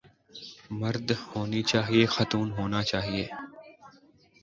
مرد ہونی چاہئے خاتون ہونا چاہئے